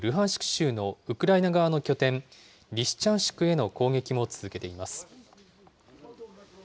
州のウクライナ側の拠点、リシチャンシクへの攻撃も続けています。